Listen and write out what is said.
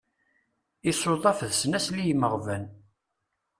Isuḍaf d snasel i yimeɣban.